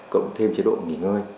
cộng thêm chế độ nghỉ ngơi